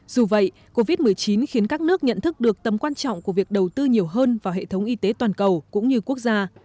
dù vậy covid một mươi chín khiến các nước nhận thức được tầm quan trọng của việc đầu tư nhiều hơn vào hệ thống y tế toàn cầu cũng như quốc gia